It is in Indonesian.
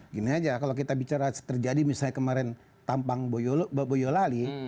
gini aja kalau kita bicara terjadi misalnya kemarin tampang boyolali